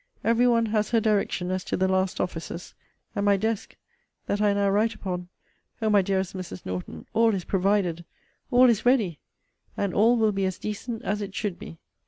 Every one has her direction as to the last offices. And my desk, that I now write upon O my dearest Mrs. Norton, all is provided! All is ready! And all will be as decent as it should be!